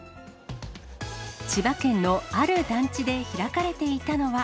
千葉県のある団地で開かれていたのは。